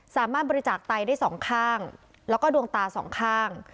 สามารถบริจาคไตได้สองข้างแล้วก็ดวงตาสองข้าง